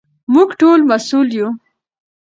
موږ ټول مسوول یو.